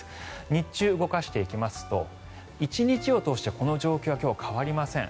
日中、動かしていきますと１日を通してこの状況は今日、変わりません。